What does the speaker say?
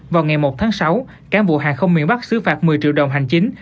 vào ngày một tháng sáu cán bộ hàng không miền bắc xứ phạt một mươi triệu đồng hành chính